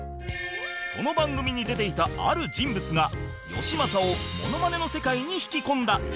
その番組に出ていたある人物がよしまさをモノマネの世界に引き込んだ